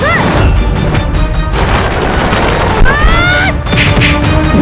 tidak bermaksud mengusikmu nye